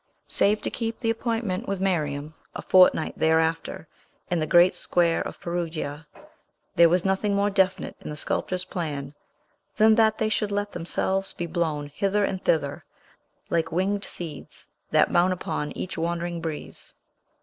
Save to keep the appointment with Miriam, a fortnight thereafter, in the great square of Perugia, there was nothing more definite in the sculptor's plan than that they should let themselves be blown hither and thither like Winged seeds, that mount upon each wandering breeze.